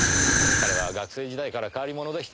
彼は学生時代から変わり者でしてねえ。